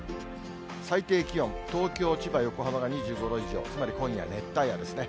最低気温、東京、千葉、横浜が２５度以上、つまり今夜、熱帯夜ですね。